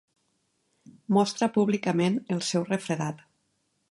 Mostra públicament el seu refredat.